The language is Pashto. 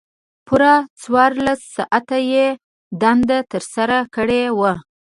پوره څوارلس ساعته یې دنده ترسره کړې وه.